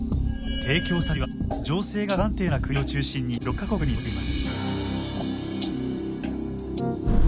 提供先は情勢が不安定な国を中心に少なくとも６か国に上っています。